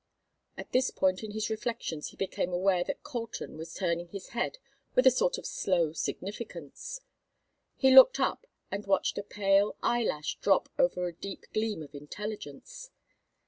At this point in his reflections he became aware that Colton was turning his head with a sort of slow significance. He looked up and watched a pale eyelash drop over a deep gleam of intelligence.